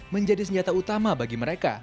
menjadi senjata utama bagi mereka